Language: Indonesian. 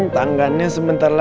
tangganya sebentar lagi ya